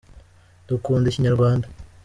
Dukunda Ikinyarwanda.